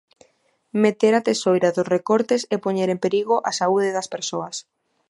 Meter a tesoira dos recortes é poñer en perigo á saúde das persoas.